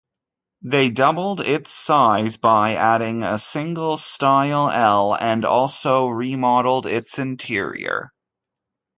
They doubled its size by adding a shingle-style ell, and also remodeled its interior.